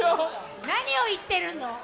何を言ってるの？